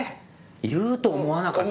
言うと思わなかったし。